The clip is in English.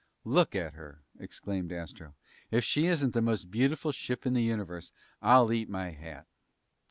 "Look at her!" exclaimed Astro. "If she isn't the most beautiful ship in the universe, I'll eat my hat."